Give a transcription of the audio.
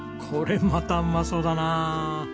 これまたうまそうだな。